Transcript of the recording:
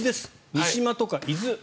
三島とか伊豆。